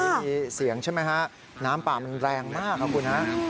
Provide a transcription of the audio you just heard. อันนี้มีเสียงใช่ไหมคะน้ำป่ามันแรงมากขอบคุณนะ